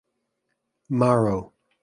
Marrow.